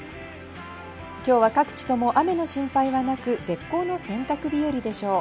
今日は各地とも雨の心配はなく、絶好の洗濯日和でしょう。